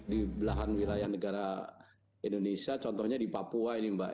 di belahan wilayah negara indonesia contohnya di papua ini mbak